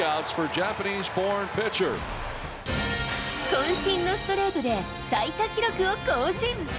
こん身のストレートで、最多記録を更新。